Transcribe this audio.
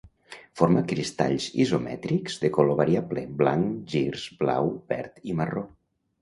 Forma cristalls isomètrics de color variable: blanc, girs, blau, verd i marró.